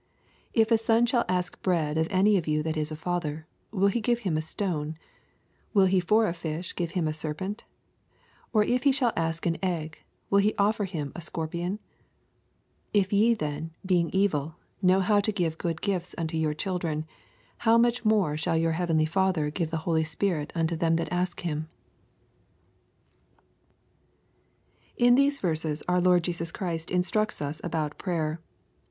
11 If a son shall ask bread of any of you that is a father, will he give him a stone ? or if he ask a fish, will he for a fish give him a serpent ? 12 Or if he shall ask an egg^ will he offer him a scoipion ? 13 If ye then, bemg evil, know how to give good gifts unto your children ; how much more shall vour heavenly Father give the Holy Spirit to them that ask him In these verses our Lord Jesus Christ instructs us about prayer.